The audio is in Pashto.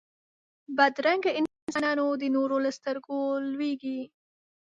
بدرنګه انسانونه د نورو له سترګو لوېږي